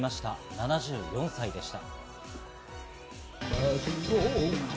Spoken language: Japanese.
７４歳でした。